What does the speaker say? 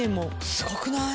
すごくない？